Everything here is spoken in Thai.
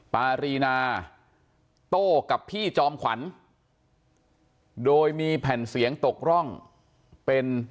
ปารีนาโต้กับพี่จอมขวัญโดยมีแผ่นเสียงตกร่องเป็น